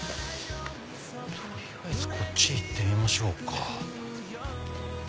取りあえずこっち行ってみましょうか。